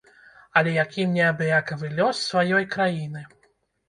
Але якім неабыякавы лёс сваёй краіны.